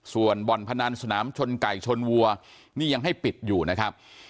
ส่วนบ่อนพนันสนามชนไก่ชนวัวนี่ยังให้ปิดอยู่นะครับ